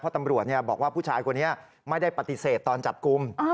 ตำรวจบอกว่าผู้ชายคนนี้ไม่ได้ปฏิเสธตอนจับกลุ่ม